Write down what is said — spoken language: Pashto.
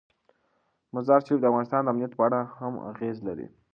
مزارشریف د افغانستان د امنیت په اړه هم اغېز لري.